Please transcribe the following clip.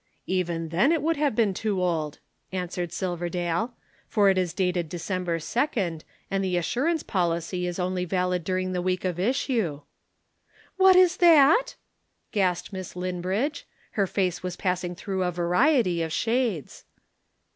"Even then it would have been too old," answered Silverdale, "for it is dated December 2d and the assurance policy is only valid during the week of issue." "What is that?" gasped Miss Linbridge. Her face was passing through a variety of shades.